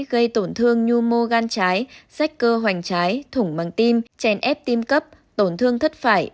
gây tổn thương nhu mô gan trái sách cơ hoành trái thủng bằng tim chèn ép tim cấp tổn thương thất phải